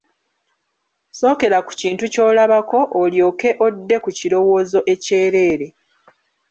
Sookera ku kintu ky'olabako, olyoke odde ku kirowoozo ekyereere.